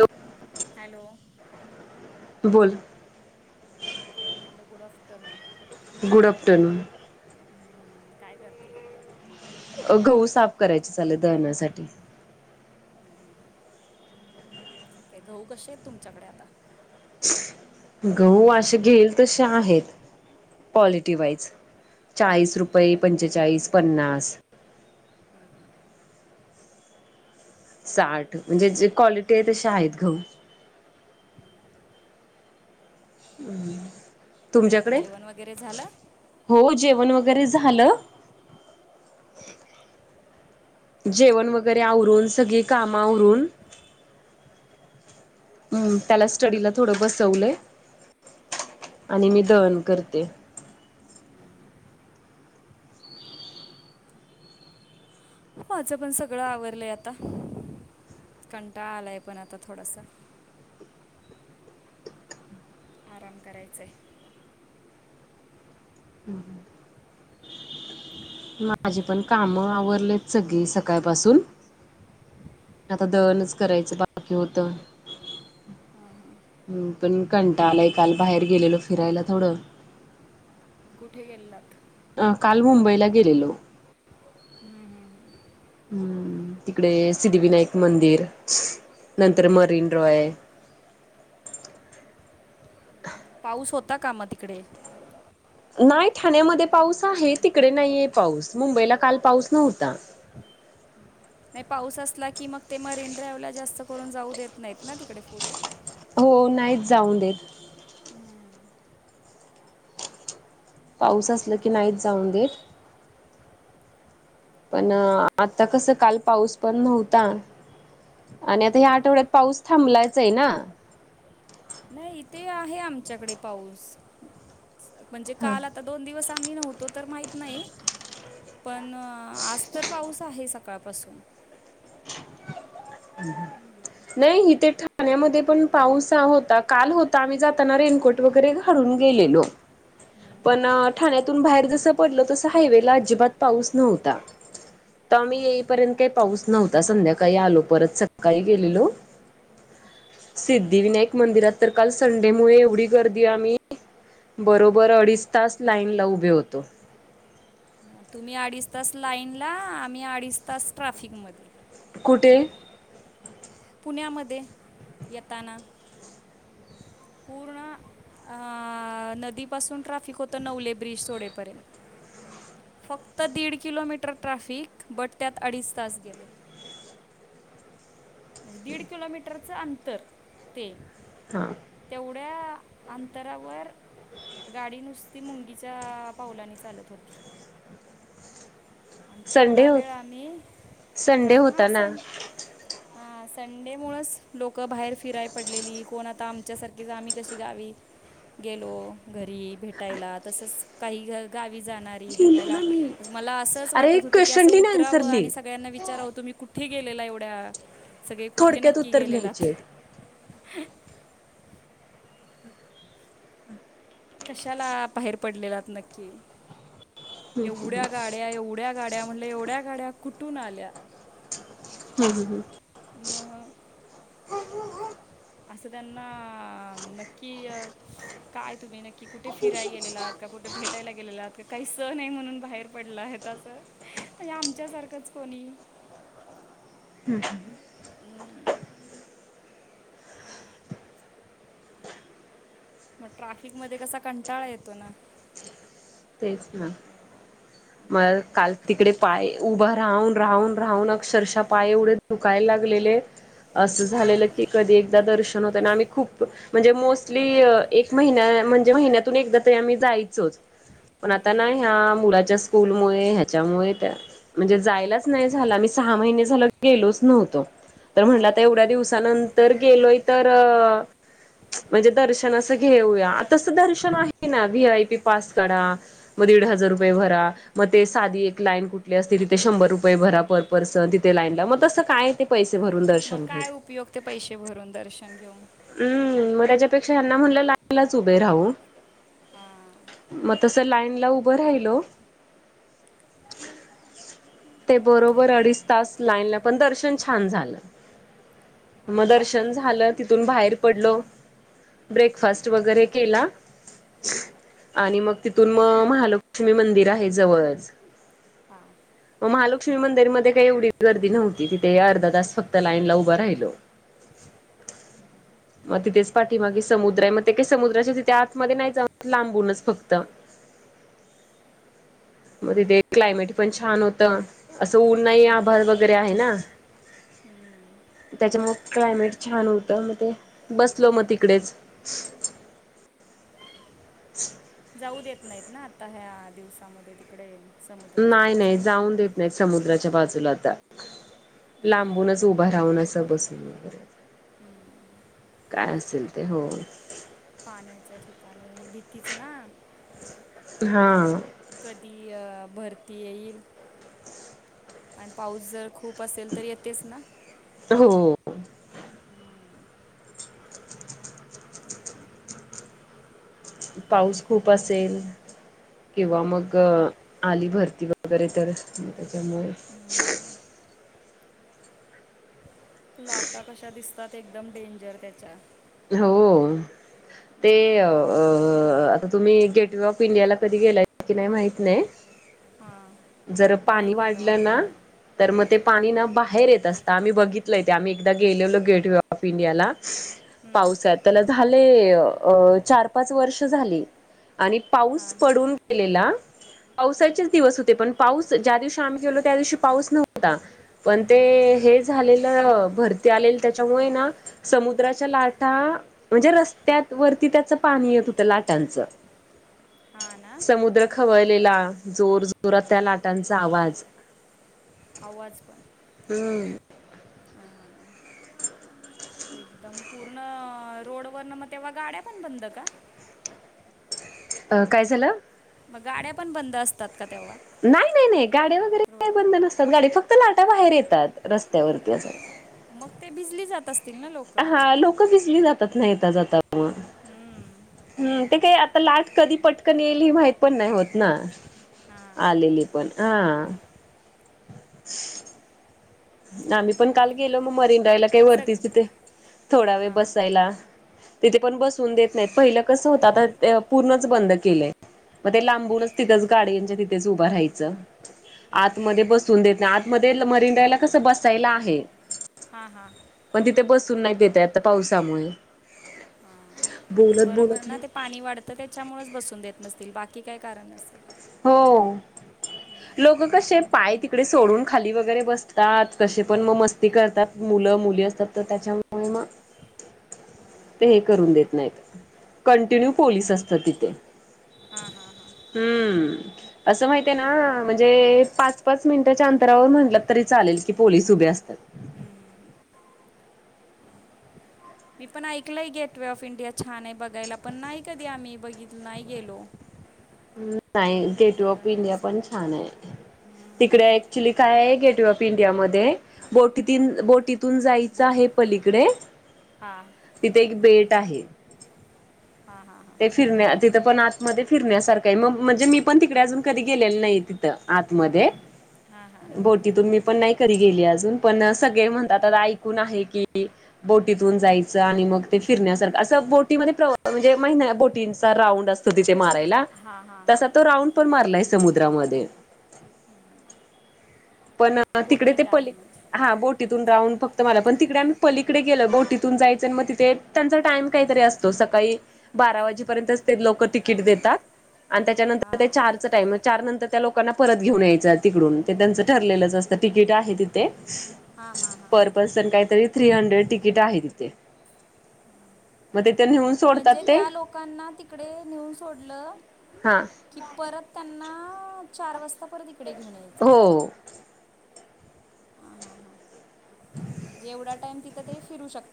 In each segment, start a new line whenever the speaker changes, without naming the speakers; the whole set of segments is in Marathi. हॅलो.
हॅलो.
बोल
hello good afternoon
good afternoon
हम्मं कायं करतें
अ गहू साफ करायच चालेल दळणा साठी.
''हं ''हं'' काय गहू कसे आहेत तुमच्याकडे आता.
गह असे घेईल तसे आहेत क्वालिटी वाईज.
हम्म,
चाळीस
हम्म, हम्म.
रुपये पंचेचाळीस पन्नास.
ह ह,
साठ म्हणजे जे क्वालिटी आहे तसे आहेत गहू.
[inaudible] बाकी
तुमच्याकडे
जेवण वगैरे झालं
हो जेवण वगैरे झालं. जेवण वगैरे आवरून सगळी कामवरून. हम त्याला स्टडीला थोडं बसवलंय. आणि मी दळन करते.
हम्म, माझं पण सगळं आवरडलंय आता कंटाळ आलाय पण आता थोडासा. आराम करायचं आहे.
हम हम, माझे पण काम आवरलेत सगळी सकाळपासून. आता दळनच करायचं बाकी होत.
हां हां
ह पण कंटा आलाय काल बाहेर गेलेलो फिरायला थोडं.
कुठे गेल्लात.
अ काल मुंबईला गेलेलो.
हम्म हम्म हम्म.
हम्म तिकडे सिद्धिविनायक मंदिर नंतर मरीन रॉय.
पाऊस होता का मा तिकडे.
नाही ठाण्यामध्ये पाऊस आहे तिकडे नाहीये पाऊस मुंबईला काल पाऊस नव्हता.
नाही पाऊस असला की मग ते मरीन ड्राईव्ह ला जास्त करून जाऊ देत नाहीत ना तिकडे पुढे.
हो नाहीच जाऊन देत.
हम्म.
पाऊस असल की नाहीत जाऊन देत. पण आता कसं काल पाऊस पण नव्हता. आणि आता ह्या आठवड्यात पाऊस थांबलायचा आहे ना.
नाही इथे आहे आमच्याकडे पाऊस म्हणजे काल आ ''--'' आता दोन दिवस आम्ही नव्हतो तर माहत नाही. पण आज तर पाऊस आहे सकाळपासून.
ह, नाही इथे ठाण्यामध्ये पण पाऊस अ होता काल होता आम्ही जाताना रेनकोट. वगैरे घालून गेलेलो. पण ठाण्यातून बाहेर जस पडल तस हायवेला अजिबात पाऊस नव्हता. आम्ही येईपर्यंत काही पाऊस नव्हता संध्याकाळी आलो. परत सकाळी गेलेलो. सिद्धिविनायक मंदिरात तर काल संडे मुळे एवढी गर्दी आम्ही. बरोबर अडीच तास लाईनला उभे होतो.
तुम्ही अडीच तास लाईनला आम्ही अडीच तास ट्रॅफिकमध्ये.
कुठे.
पुण्यामध्ये येताना. पूण. अ नदीपासून ट्राफिक होतं नवले ब्रिज सोडेपर्यंत. फक्त दीड किलोमीटर ट्रॅफिक बट त्यात अडीच तास गेले. म्हणजे दीड किलोमीटरच अंतर ते-
हां.
तेवढ्या अंतरावर- गाडी नुसती मुंगीच्या पावलाने चालत होती. आणि
संडे
तेवढा
हो
वेळ आम्ही.
संडे
ट्रफ हां
होता ना.
सण- हा. संडे मुळच लोक बाहेर फिराय पडलेली. कोणता- आता आमच्यासारखीच. आम्ही कशे गावी- गेलो घरी भेटायला. तसच काही गावी जाणारी
लिहिलं ना
भेटायला-
मी
मला असंच
अरे
वाटत होतं की
क्वेश्चन
असं
लिहीन आन्सर
उतरावं
लिही
आणि सगळ्यांना विचाराव तुम्ही कुठ? कुठे गेलेला एवढ्या? सगळे कुठे
थोडक्यात
नक्की
उत्तर
गेलेलात?
लिहायचे.
कशाला बाहेर पडलेलात नक्की? एवढ्या गाड्या, एवढ्या गाड्या, म्हणलं एवढ्या गाड्या कुठून आल्या?
हम् हम हम.
मग? असं त्यांना नक्की- काय तुम्ही नक्की कुठे फिरायला गेलेलात? का कुठे भेटायला गेलेलात? का काही सण आहे म्हणून बाहेर पडलाहेत आज? म्हणजे आमच्यासारखंच कोणी-
हम् हम.
हं. मग ट्रॅफिक मध्ये कसा कंटाळा येतो ना?
तेच ना.
ह
म काल तिकडे पाय उभा राहून राहून राहून अक्षरशः पाय एवढे दुकायला लागलेले- असं झालेलं की कधी एकदा दर्शन होतं आणि आम्ही खूप- म्हणजे मोस्टली एक महिन्या म्हणजे महिन्यातून एकदा तरी आम्ही जायचोच. पण आता ना ह्या मुलाच्या स्कूलमुळे, ह्याच्यामुळे त्या- म्हणजे जायलाच नाही झाल. आम्ही सहा महिने झाले गेलोच नव्हतो. तर म्हटलं
हां
तर
हां
एवढ्या दिवसा- नंतर गेलोय तर- म्हणजे दर्शन असं घेऊया. तसं दर्शन आहे ना व्ही आय पी पास काढा. मग दीड हजार रुपये भरा. मग ते साधी एक लाईन कुठली असते. तिथे शंभर रुपये भरा पर पर्सन तिथे लाईनला. मग तसं काय आहे ते - पैसे भरून द-
मग काय उपयोग ते पैसे भरून दर्शन घेऊन.
हम्. मग त्याच्यापेक्षा यांना म्हणलं लाईनलाच उभे राहू.
हां
मग त- त लाईनला उभं राहिलो. तर बरोबर अडीच तास लाईनला, पण दर्शन छान झालं.
हां
मग दर्शन झालं. तिथून बाहेर पडलो. ब्रेकफास्ट वगैरे केला. आणि मग तिथून मग महालक्ष्मी मंदिर आहे जवळच.
हां
मग महालक्ष्मी मंदिरमध्ये काही एवढी गर्दी नव्हती. तिथे अर्धा तास फक्त लाईनला उभं राहिलो. मग तिथेच पाठीमागे समुद्र आहे. मग ते काही समुद्राच्या तिथे आतमध्ये नाही जाऊ देत. लांबूनच फक्त. मग तिथे एक क्लायमेट पण छान होत. तरं असं ऊंन नाहीं आभांळ वगैरें आहे नां
हम्मं
त्यांच्यामुळे क्लांयमेट छान होतं मंग ते बसलो मंग तिकडे चं
जाऊं देतं नाहींत नां आंता ह्यां दिवसांमध्ये तिकडे समुद्राच्या
नाहीं नाहीं
बाजूला
जाऊं देतं नाहीं समुद्रांच्या बाजूंला आंता लांबूनचं उभं राहूंन असं बसूंन वगैरें कायं असेल ते हो
पाण्यांच्या ठिकाणीं भिकीच नां
हा
कधीं भरती येईल आणि पाऊस जरं खूंप असेल तरं येतेचं नां
हो
हम्म.
पाऊस खूंप असेलं किंवा मंग आंली भरती वगैरें तरं त्यांच्यामुळे
तुं लांटा कशायां दिसतांत एकदंम डेंजर त्यांच्या
हो ते आंता तुम्हीं गेट ऑफ इंडियाला कधीं गेलां की नाहीं माहित नाहीं
[unintelligible]
जरां
नाही
पाणी
गेलो
वाढलं
आम्ही
नां
कधी.
तरं मंग ते
हम्म.
पाणी नां बाहेर येतं असतां आम्हीं बघितलंय ते आम्हीं एकदां गेले होलो गेटवे ऑफ इंडियांला
हम्म.
पावसांत त्यांला झांले चार पांच वर्ष झालीं आणि
हां
पाऊस
हां
पडूंन गेलेलां पावसाचेच दिवसं होते पणं पाऊस ज्यां दिवशी आम्हीं गेलो त्यां दिवशी पाऊस नव्हतां पणं ते
हम्म.
हे झालेलं भरती आलेल त्यांच्यामुळे नां समुद्रांच्या लांटा आंता म्हणजे रस्त्या वरती त्यांचं पाणी येतं होतं लाटांचं
हां ना
समुंद्र खवळलेला जोर जोरातं त्यां लाटांचा आवांज
आवांज पणं
हम्मं
एकदंम पूर्ण रोड वरं नं मगं तेंव्हा गाड्यां पणं बंद कां
अं कायं झालं
मंग गाड्यां पणं बंद असतांत कां तेंव्हा
नाहीं नाहीं नाहीं गाड्यां वगैरें कायं बंद नसतांत गांडी फक्तं लांटा बाहेर येतांत रस्त्यांवरती असं
मंग ते बिजली जातं असतील नां लोक
हां लोकं बिजली जातांत येतां जातं मंग
हम्मं
हम्मं ते कांहीं आंता लांट कधीं पटकन येईल हे माहित पणं नाहीं होतं नां आलेली पणं हां [unintelligible] आम्हीं पणं कांल गेलो मंग मरीन रायंला कांहीं
सग
वरतीचिथ थोडां वेळं
हां
बसांयला तिथे पणं बसवूंन देतं नाहीतं पहिलं कसं होतं आंता पूर्णचं बंद केलंय मंग ते लांबूनचं तिथंच गाडंच्या तिथेचं उभं राहायचं आंतमध्यें बसूंन देतं नाहीं आंतमध्यें मरिंडायंला कसं बसायंला आहे
हां हां
मणं तिथे बसूंन नाहीं येते आंता पावसांमुळे
हां बरोबर नां ते पाणी वाढतं त्यांच्यामुळेचं बसूंन देतं नसतील बाकी कायं कारणं नसते
हो लोक कसे पाय तिकडे सोडून खाली वगैरे बसतात कसे पण मग मस ते करतात मुलं, मुली असतात तर त्याच्यामुळे मग ते हे
हां
करून देत नाहीत कंटिन्यू पोलीस असतात तिथे
हा, हा, हां
हम्म असं माहित आहे ना म्हणजे पाच, पाच मिनिटाच्या अंतरावर म्हटलं तरी चालेल की पोलिस उभे असतात
हं. मी पण ऐकलंय गेटवे ऑफ इंडिया छान आहे बघायला पण नाही कधी आम्ही बघित नाही गेलो
नाही गेट व
गेलो
ऑफ
नाही
इंडिया
अजून
पण छान आहे तिकडे
हं.
ऍक्च्युली काय गेटवे ऑफ इंडिया मध्ये बोटीतीन बोटी थून जायचं
बोट
आहे पलीकडे
हां
तिथे एक बेट आहे
हा, हा, हा
ते फिरण्या तिथं पण आतमध्ये फिरण्यासारखं आहे मग म्हणजे मी पण तिकडे अजून कधी गेलीली नाही ती त आतमध्ये
हां हां
बोट तिथून मी पण नाही कधी गेले अजून पण सगळे म्हणतात आता ऐकून आहे की बोटीतून जायचं आणि मग ते फिरण्यासारखं असं बोटीमध्ये म्हणजे प्रवा म्हणजे माही ना बोटींचा राऊंड आसतो तिथे मारायला
हां हां हां
तसा तो राऊंड पण मारलाय समुद्रामध्ये पण तिकडे ते
बोटिंग आहे
पली
म्हणजे
हा बोटीतून राऊंड फक्त मारला पण तिकडे आम्ही पलीकडे गेलो बोटीत इथून जायचं म तिथे त्यांचा टाइम काहीतरी असतो सकाळी बारा वाजेपर्यंत ते लोक तिकीट देतात आणि त्याच्यानंतर ते
हां
चार च टाइम चार नंतर त्या लोकांना परत घेऊन यायचं तिकडून ते त्यांचं ठरलेलंच असतं तिकीट आहे तिथे
हा, हा, हां
पर पर्सन काहीतरी थ्री हंड्रेड तिकीट आहे तिथे म तिथं निहू
म्हणजे त्या लोकांना तिकडे नेऊन सोडलं
हा
कि परत त्यांना आ चार वाजता परत इकडे घेऊन यायचं
हो
हां हां हां जेवढा टाइम तिथं ते फिरू शक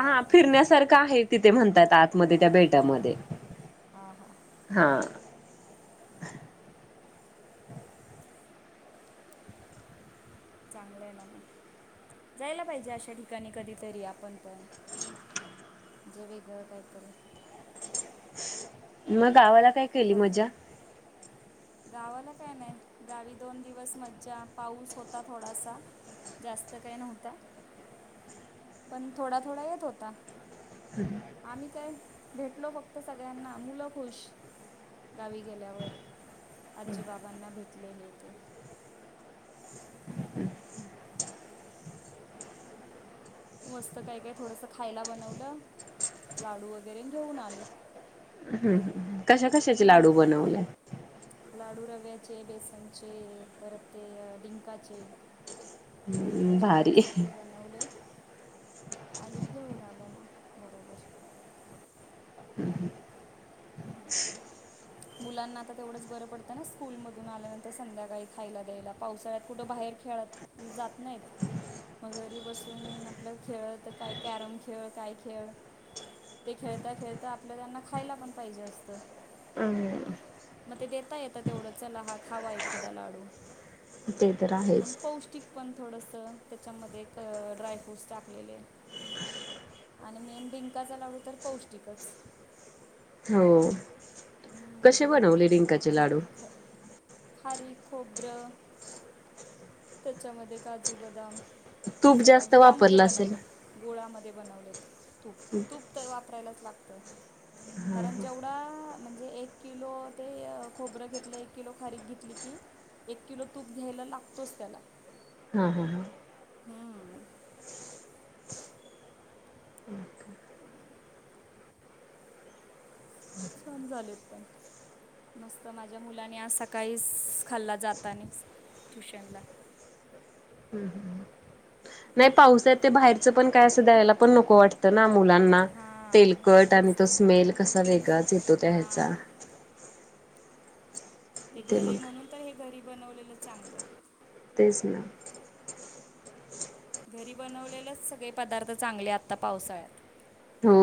हा फिरण्यासारखं आहे तिथे म्हणतात आतमध्ये
हां
त्या बेटामध्ये
हां हां
हा
चांगलं आहे ना म जायला पाहिजे अशा ठिकाणी कधीतरी आपण पण जे वेगळ कायतरी
म गावाला काय केली
बघ
मज्जा?
गावाला काय नाही गावी दोन दिवस मज्जा पाऊस होता थोडासा जास्त काय नव्हता पण थोडा, थोडा येत होता
हम्
आम्ही काय भेटलो फक्त सगळ्यांना मुलं खुश गावी गेल्यावर आजी, बाबांना भेटले हे ते
हम्म्
मस्त काय, काय थोडस खायला बनवलं लाडू वगैरे घेऊन आलो
हम्म, हम्म ह कशा कशाचे लाडू
हां
बनवले
लाडू रव्याचे, बेसनचे, परत ते डिंकाचे डिंकाचे लाडू
भारी
आसता ते बन लावले. आणि घेवून आलो म बराबर.
हम्, ह.
मुलांना आता, तेवढंच बरं पडतं ना. स्कूल मधून आल्यानंतर. संध्याकाळी खायला द्यायला. पावसाळ्यात कुठं बाहेर खेळत, जात नाहीत. मग घरी बसून, आपलं खेळत काय कॅरम खेळ, काय खेळ. ते खेळता - खेळता. आपलं त्यांना, खायला पण पाहिजे असतं.
हम्.
म ते देता येत तेवढं. चला, हा खावा एखादा लाडू.
ते तर
आणि
आहेच
पौष्टिक पण थोडसं. त्याच्यामध्ये, क ड्राय फ्रूट्स टाकलेले. आणि मेन, डिंकाचा लाडू तर पौष्टिकच.
हो. कसे
हम्म.
बनवले, डिंकाचे
खारी
लाडू?
ख- खारीक, खोबरं त्याच्यामध्ये काजू, बदाम.
तूप
सगळ्या
जास्त
गुळामध्ये
वापरलं असेल
बनवलेत. गुळामध्ये बनवलेत. तूप- तूप तर वापरायलाच लागतं. कारण जेवढा, म्हणजे एक किलो ते ते अं खोबरं घेतलं. एक किलो खारीक घेतली की, एक किलो तूप घ्यायला लागतोच, त्याला.
हा, हा, हा.
हा.
[inaudible]
छान झालेत, पण. मस्त. माझ्या मुलांनी आज सकाळीस खाल्ला. जातानी ट्युशनला.
हम्, हम. नाही पाऊसय ते, बाहेरचं पण काय असं द्यायला, पण नको वाटतं ना मुलांना.
हां
तेलकट आणि
तेच
तो
ना
स्मेल कसा, वेगळाच येतो. त्या ह्याचा
हां ते घरी, म्हणून तर हे घरी बनवलेलं, चांगलं.
तेच, ना.
घरी बनवलेलेस सगळे पदार्थ चांगले. आत्ता पावसाळ्यात.
हो.